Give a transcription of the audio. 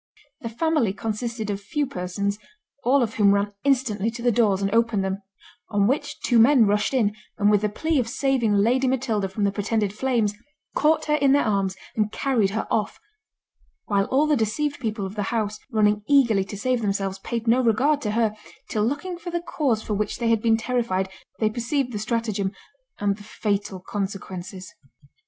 The family consisted of few persons, all of whom ran instantly to the doors and opened them; on which two men rushed in, and with the plea of saving Lady Matilda from the pretended flames, caught her in their arms, and carried her off; while all the deceived people of the house, running eagerly to save themselves, paid no regard to her, till looking for the cause for which they had been terrified, they perceived the stratagem, and the fatal consequences.